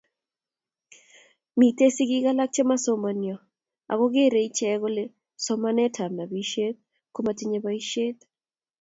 mitei sigiik alak chemasomanyoo ago gerei iche kole somanetab nobishet komatinyei boishet